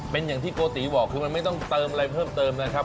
เป็นอย่างที่โกติบอกคือมันไม่ต้องเติมอะไรเพิ่มเติมนะครับ